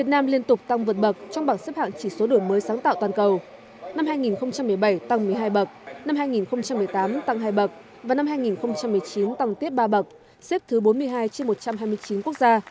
năm hai nghìn một mươi tám tăng hai bậc và năm hai nghìn một mươi chín tăng tiếp ba bậc xếp thứ bốn mươi hai trên một trăm hai mươi chín quốc gia